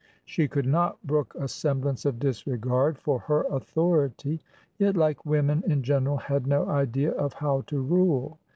She could not brook a semblance of disregard for her authority, yet, like women in general, had no idea of how to rule.